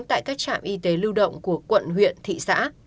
tại các trạm y tế lưu động của quận huyện thị xã